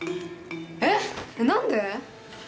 えっ！？何で？